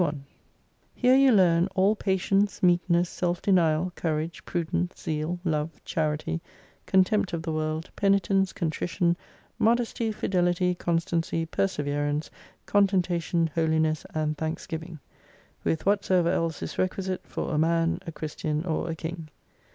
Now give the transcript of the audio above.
61 Here you leam all patience, meekness, self denial, courage, prudence, zeal, love, charity, contempt of ttie world, penitence, contrition, modesty, fidelity, con stancy, perseverance, contentation, holiness, and thanksgiving : "With whatsoever else is requisite for a Man, a Christian, or a King.